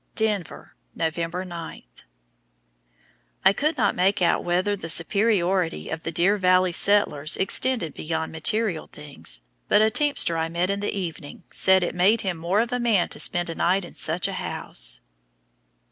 DENVER, November 9. I could not make out whether the superiority of the Deer Valley settlers extended beyond material things, but a teamster I met in the evening said it "made him more of a man to spend a night in such a house."